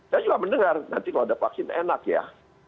saya juga mendengar nanti kalau ada vaksin enak ya